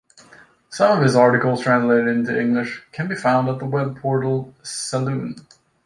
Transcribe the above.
Some of his articles translated into English can be found at the webportal Salon.